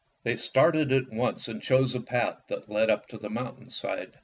They started at once and chose a path that led up the mountain side.